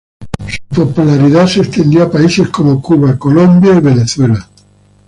Su popularidad se extendió a países como Cuba, Colombia y Venezuela.